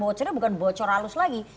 bahkan bocornya bukan bocor halus lagi